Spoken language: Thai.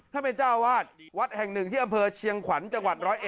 ท่านเป็นเจ้าวาดวัดแห่งหนึ่งที่อำเภอเชียงขวัญจังหวัด๑๐๑